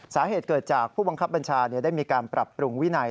สาเหตุเกิดจากผู้บังคับบัญชาได้มีการปรับปรุงวินัย